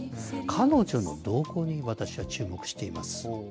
彼女の動向に私は注目しています。